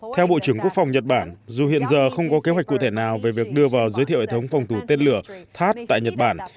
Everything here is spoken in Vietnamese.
theo bộ trưởng quốc phòng nhật bản dù hiện giờ không có kế hoạch cụ thể nào về việc đưa vào giới thiệu hệ thống phòng thủ tên lửa tháp tại nhật bản